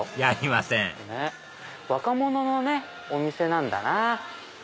やりません若者のお店なんだなぁ。